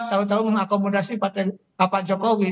tahu tahu mengakomodasi partai pak jokowi